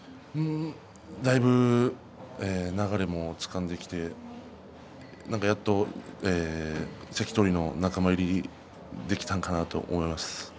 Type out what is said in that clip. だいぶ流れもつかんできてやっと関取の仲間入りができたのかなと思います。